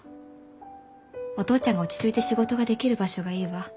お父ちゃんが落ち着いて仕事ができる場所がいいわ。